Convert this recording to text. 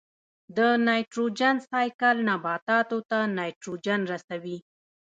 د نایټروجن سائیکل نباتاتو ته نایټروجن رسوي.